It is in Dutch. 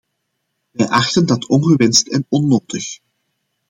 Wij achten dat ongewenst en onnodig.